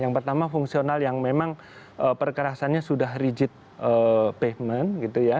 yang pertama fungsional yang memang perkerasannya sudah rigid pavement gitu ya